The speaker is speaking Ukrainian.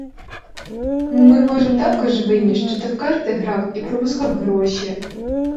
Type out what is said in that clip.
Ми, може, також винні, що ти в карти грав і пропускав гроші?